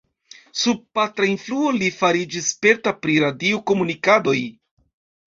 Sub patra influo, li fariĝis sperta pri radio-komunikadoj.